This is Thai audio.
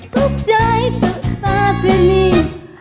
ทุกข์ใจตื่นตาขึ้นลูกสาวนะครับ